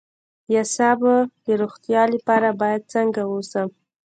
د اعصابو د روغتیا لپاره باید څنګه اوسم؟